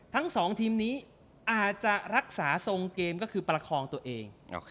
ทั้งสองทีมนี้อาจจะรักษาทรงเกมก็คือประคองตัวเอง